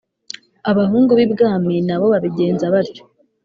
abahungu b'ibwami na bo babigenza batyo.